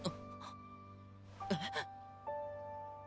えっ⁉